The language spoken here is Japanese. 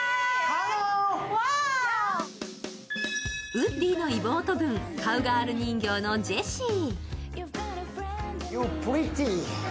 ウッディの妹分、カウガール人形のジェシー。